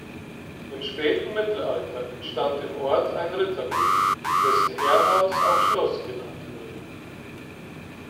Im späten Mittelalter entstand im Ort ein Rittergut, dessen Herrenhaus auch Schloss genannt wurde.